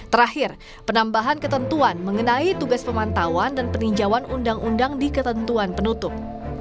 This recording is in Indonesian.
terakhir penambahan ketentuan mengenai tugas pemantauan dan peninjauan undang undang di ketentuan penutup